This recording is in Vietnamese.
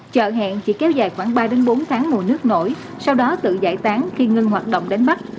chợ hẹn chỉ kéo dài khoảng ba bốn tháng mùa nước nổi sau đó tự giải tán khi ngưng hoạt động đánh bắt